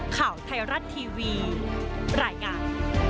ข่าวไทยรัฐทีวีรายงาน